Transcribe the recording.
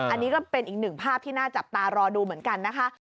อันนี้ก็เป็นอีกหนึ่งภาพที่น่าจับตารอดูเหมือนกันนะคะ